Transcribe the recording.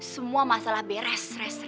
semua masalah beres